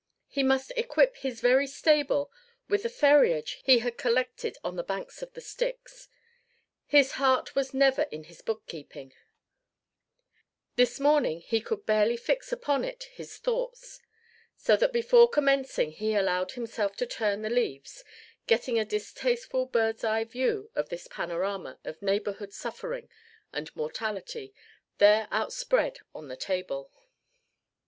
He must equip his very stable with the ferriage he had collected on the banks of the Styx. His heart was never in his bookkeeping; this morning he could barely fix upon it his thoughts; so that before commencing he allowed himself to turn the leaves, getting a distasteful bird's eye view of this panorama of neighborhood suffering and mortality there outspread on the table.